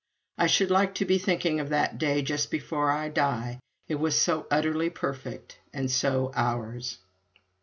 I should like to be thinking of that day just before I die. It was so utterly perfect, and so ours.